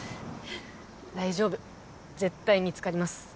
大丈夫絶対見つかります。